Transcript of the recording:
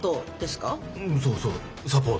そうそうサポート。